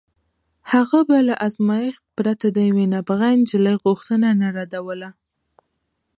هغه به له ازمایښت پرته د یوې نابغه نجلۍ غوښتنه نه ردوله